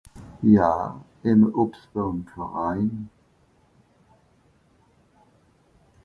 ja ìm (obstgang) Verein